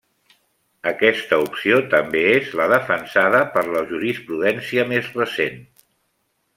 Aquesta opció també és la defensada per la jurisprudència més recent.